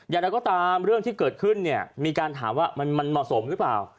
อย่างไรก็ตามเรื่องที่เกิดขึ้นเนี่ยมีการถามว่ามันเหมาะสมหรือเปล่า